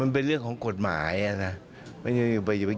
เป็นเรื่องของกฎหมายเป็นเรื่องของการตรวจสอบ